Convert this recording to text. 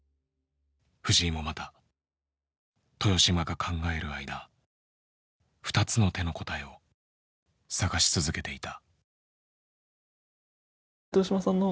藤井もまた豊島が考える間２つの手の答えを探し続けていた。